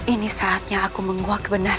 ini saatnya aku menguak kebenaran